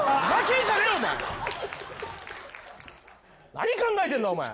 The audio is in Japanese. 何考えてんだお前。